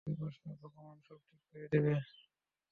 আরে, ভয় পাস না ভগবান সব ঠিক করে দিবে।